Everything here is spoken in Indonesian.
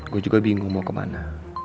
gue juga bingung mau kemana